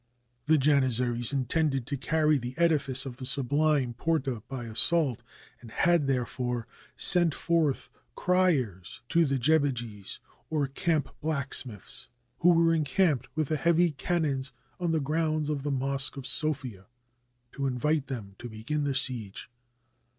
The Janizaries intended to carry the edifice of the Sublime Porte by assault, and had, therefore, sent forth criers to the jebejis, or camp blacksmiths, who were en camped with the heavy cannons on the grounds of the Mosque of Sophia, to invite them to begin the siege.